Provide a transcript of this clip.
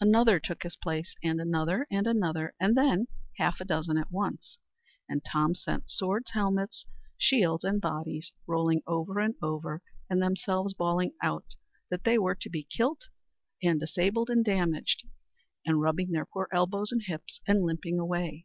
Another took his place, and another, and another, and then half a dozen at once, and Tom sent swords, helmets, shields, and bodies, rolling over and over, and themselves bawling out that they were kilt, and disabled and damaged, and rubbing their poor elbows and hips, and limping away.